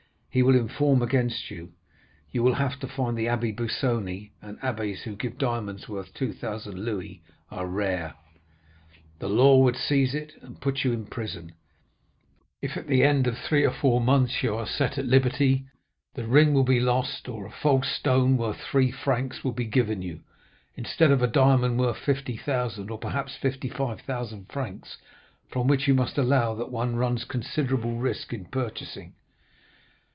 He will inform against you. You will have to find the Abbé Busoni; and abbés who give diamonds worth two thousand louis are rare. The law would seize it, and put you in prison; if at the end of three or four months you are set at liberty, the ring will be lost, or a false stone, worth three francs, will be given you, instead of a diamond worth 50,000 or perhaps 55,000 francs; from which you must allow that one runs considerable risk in purchasing.